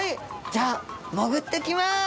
じゃあ潜ってきます。